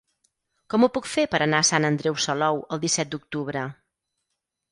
Com ho puc fer per anar a Sant Andreu Salou el disset d'octubre?